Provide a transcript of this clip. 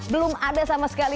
belum ada sama sekali